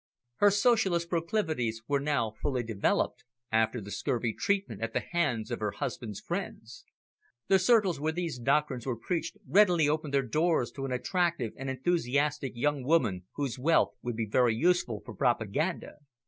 Her socialist proclivities were now fully developed, after the scurvy treatment at the hands of her husband's friends. The circles where these doctrines were preached readily opened their doors to an attractive and enthusiastic young woman, whose wealth would be very useful for propaganda.